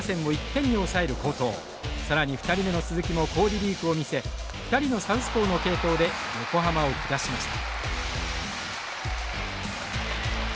更に２人目の鈴木も好リリーフを見せ２人のサウスポーの継投で横浜を下しました。